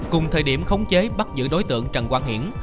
cùng thời điểm khống chế bắt giữ đối tượng trần quang hiển